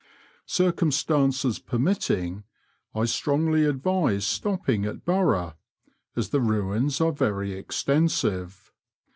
Circumstances permitting, I strongly advise stopping at Bnrgh, as the ruins are very extensive.